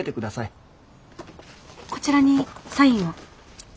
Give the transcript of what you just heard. こちらにサインを。